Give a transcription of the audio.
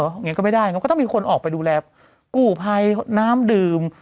อย่างนี้ก็ไม่ได้มันก็ต้องมีคนออกไปดูแลกู้ภัยน้ำดื่ม